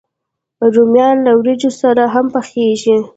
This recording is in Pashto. رومیان له وریجو سره هم پخېږي